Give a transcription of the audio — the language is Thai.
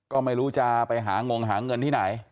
ก็ไม่รู้จะไปหางงหาเงินที่ไหน